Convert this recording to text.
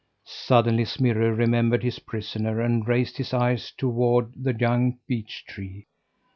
Suddenly Smirre remembered his prisoner and raised his eyes toward the young beech tree.